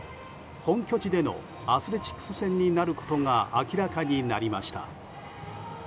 本拠地でのアスレチックス戦になることが明らかになりました。